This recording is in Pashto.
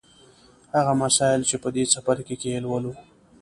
هغه مسایل چې په دې څپرکي کې یې لولو